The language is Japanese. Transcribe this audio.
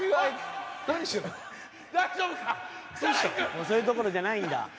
「もうそれどころじゃないんだ」